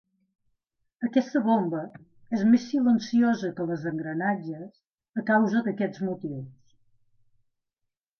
Aquesta bomba és més silenciosa que les d'engranatges a causa d'aquests motius.